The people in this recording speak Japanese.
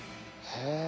へえ！